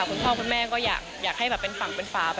คุณพ่อคุณแม่ก็อยากให้แบบเป็นฝั่งเป็นฝา